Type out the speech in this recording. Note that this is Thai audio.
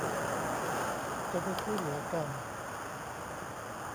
จะได้ช่วยเหลือกัน